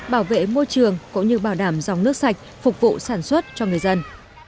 bảo vệ môi trường cũng như bảo đảm dòng nước sạch phục vụ sản xuất cho người dân